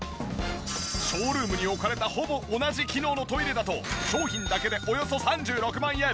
ショールームに置かれたほぼ同じ機能のトイレだと商品だけでおよそ３６万円。